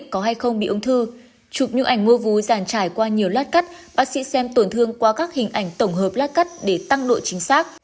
chụp nhu ảnh mô vú giàn trải qua nhiều lát cắt bác sĩ xem tổn thương qua các hình ảnh tổng hợp lát cắt để tăng độ chính xác